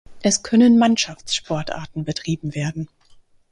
Es können Mannschaftssportarten betrieben werden.